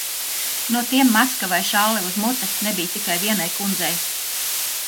No tiem maska vai šalle uz mutes nebija tikai vienai kundzei.